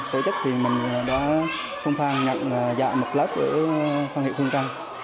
tổ chức thì mình đã xung phang nhận dạng một lớp ở phân hiệu phương trăng